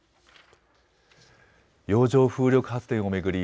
洋上風力発電を巡り